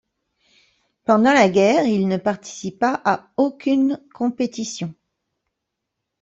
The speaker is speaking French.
Pendant la guerre, il ne participa à aucune compétition.